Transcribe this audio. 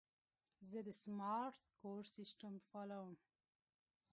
زه د سمارټ کور سیسټم فعالوم.